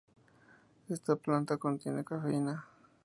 Esta planta no contiene cafeína.